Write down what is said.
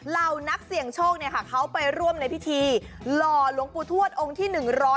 เหล่านักเสี่ยงโชคเขาไปร่วมในพิธีหล่อหลวงปู่ทวดองค์ที่๑๐๐